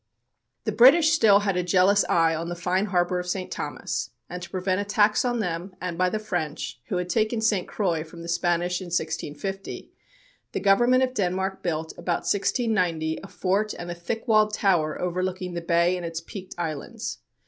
The British still had a jealous eye on the fine harbor of St. Thomas, and to prevent attacks by them and by the French, who had taken St. Croix from the Spanish in 1650, the Government of Denmark built, about 1690, a fort and a thick walled tower overlooking the bay and its peaked islands.